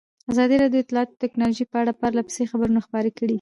ازادي راډیو د اطلاعاتی تکنالوژي په اړه پرله پسې خبرونه خپاره کړي.